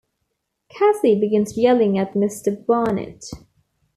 Cassie begins yelling at Mr. Barnett.